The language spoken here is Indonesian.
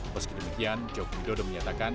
meski demikian jokowi dodo menyatakan